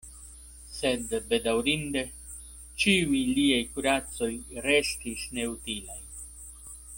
Sed bedaŭrinde ĉiuj liaj kuracoj restis neutilaj.